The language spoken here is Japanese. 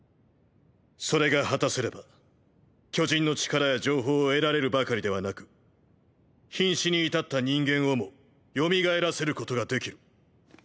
それが果たせれば巨人の力や情報を得られるばかりではなく瀕死に至った人間をも蘇らせることができる。